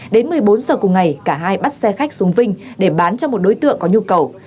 đến một mươi bốn giờ cùng ngày cả hai bắt xe khách xuống vinh để bán cho một đối tượng có nhu cầu